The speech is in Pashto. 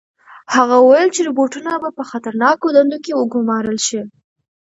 هغه وویل چې روبوټونه به په خطرناکو دندو کې وګمارل شي.